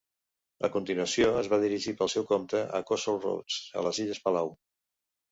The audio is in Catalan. A continuació, es va dirigir pel seu compte a Kossol Roads, a les illes Palau.